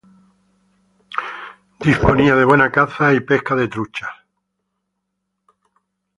Disponía de buena caza y pesca de truchas.